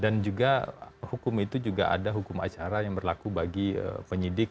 dan juga hukum itu juga ada hukum acara yang berlaku bagi penyidik